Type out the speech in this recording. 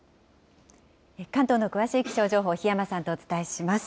関東の詳しい気象情報、檜山さんとお伝えします。